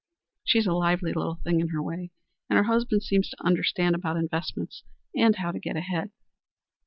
She's a lively little thing in her way, and her husband seems to understand about investments and how to get ahead."